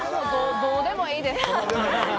どうでもいいです。